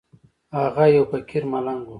هغه يو فقير ملنگ و.